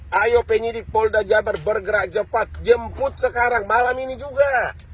ayo penyidik polda jabar bergerak cepat jemput sekarang malam ini juga